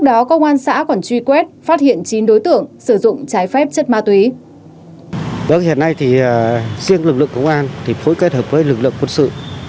vâng hiện nay thì riêng lực lượng công an thì phối kết hợp với lực lượng quân sự